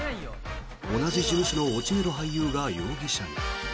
同じ事務所の落ち目の俳優が容疑者に。